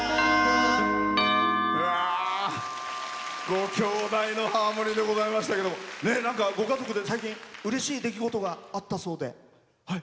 ご兄弟のハーモニーでございましたけどなんか、ご家族で最近うれしい出来事があったそうで。